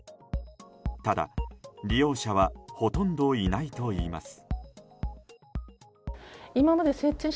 ただ、利用者はほとんどいないといいます。